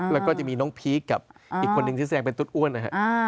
แล้วก็จะมีน้องพีคกับอีกคนนึงที่แสดงเป็นตุ๊ดอ้วนนะฮะ